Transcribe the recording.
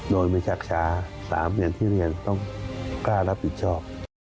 โดนไปชักชา๓อย่างที่เรียนต้องกล้ารับผิดชอบ